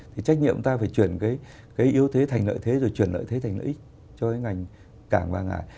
thì trách nhiệm ta phải chuyển cái yếu thế thành lợi thế rồi chuyển lợi thế thành lợi ích cho cái ngành cảng hàng